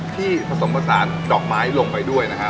ผสมผสานดอกไม้ลงไปด้วยนะฮะ